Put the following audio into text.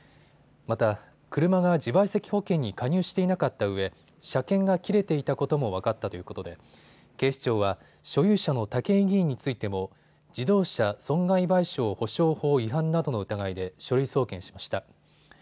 また、車が自賠責保険に加入していなかったうえ、車検が切れていたことも分かったということで警視庁は所有者の武井議員についても自動車損害賠償保障法違反などの疑いで書類送検しました。